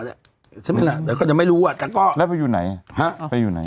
ใช่ไหมล่ะแต่เขาจะไม่รู้อ่ะแต่ก็แล้วไปอยู่ไหนฮะไปอยู่ไหน